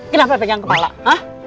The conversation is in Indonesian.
kenapa pegang kepala hah